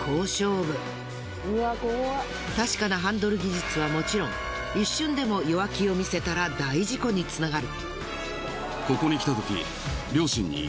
確かなハンドル技術はもちろん一瞬でも弱気を見せたら大事故につながる。